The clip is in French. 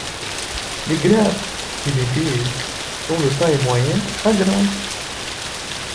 Les grappes et les baies sont de taille moyenne à grande.